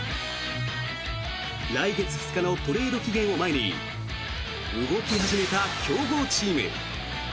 来月２日のトレード期限を前に動き始めた強豪チーム。